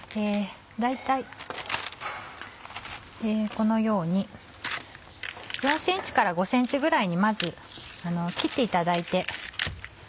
大体このように４ｃｍから５ｃｍぐらいにまず切っていただいて。